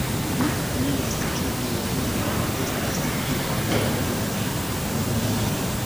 Mi opinias ke Duolingo estas “pli-ol-nenia” lernilo.